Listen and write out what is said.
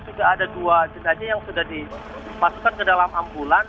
juga ada dua jenazah yang sudah dimasukkan ke dalam ambulan